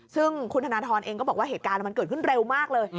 ซึ่งคุณธนทรเองก็บอกว่าเหตุการณ์มันเกิดขึ้นเร็วมากเลย